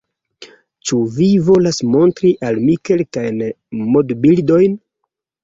Ĉu vi volas montri al mi kelkajn modbildojn?